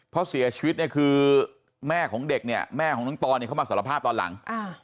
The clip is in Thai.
เพราะเสียชีวิตเนี่ยคือแม่ของเด็กเนี่ยแม่ของน้องตอเนี่ยเขามาสารภาพตอนหลัง